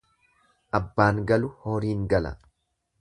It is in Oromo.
Abbaan galu horiin gala.